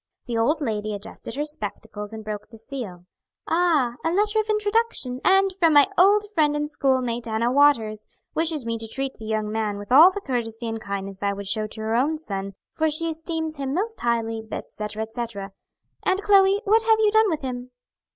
The old lady adjusted her spectacles and broke the seal. "Ah, a letter of introduction, and from my old friend and schoolmate Anna Waters; wishes me to treat the young man with all the courtesy and kindness I would show to her own son, for she esteems him most highly, etc., etc. Aunt Chloe, what have you done with him?"